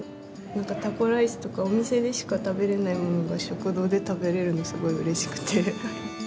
タコライスとかお店でしか食べれないものが食堂で食べれるのすごいうれしくて。